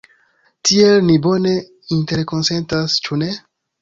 Tiel, ni bone interkonsentas, ĉu ne?